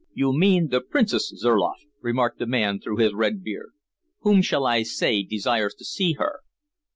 "You mean the Princess Zurloff," remarked the man through his red beard. "Whom shall I say desires to see her?"